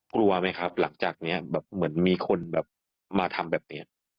กลัวไหมครับหลังจากนี้แบบเหมือนมีคนแบบมาทำแบบนี้